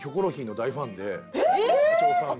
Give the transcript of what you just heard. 社長さんが。